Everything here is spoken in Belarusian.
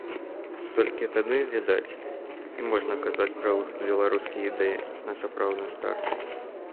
Толькі тады, відаць, і можна казаць пра выхад беларускай ідэі на сапраўдны старт.